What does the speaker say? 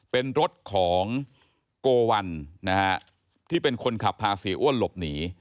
เป็นรถของโกวัลนะฮะที่เป็นคนขับพาเสียอ้วนหลบหนี